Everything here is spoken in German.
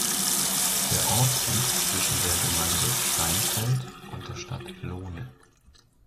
Der Ort liegt zwischen der Gemeinde Steinfeld und der Stadt Lohne.